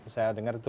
saya dengar itu